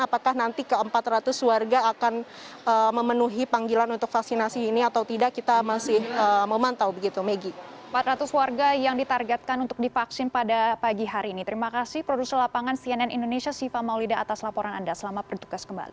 apakah nanti ke empat ratus warga akan memenuhi panggilan untuk vaksinasi ini atau tidak kita masih memantau begitu